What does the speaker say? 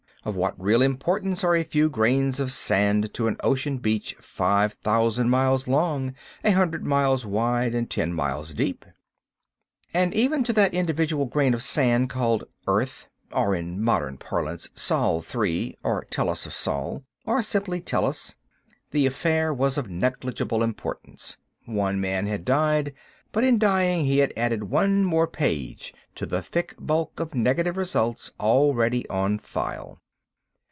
Of what real importance are a few grains of sand to an ocean beach five thousand miles long, a hundred miles wide, and ten miles deep? And even to that individual grain of sand called "Earth"—or, in modern parlance, "Sol Three," or "Tellus of Sol", or simply "Tellus"—the affair was of negligible importance. One man had died; but, in dying, he had added one more page to the thick bulk of negative results already on file.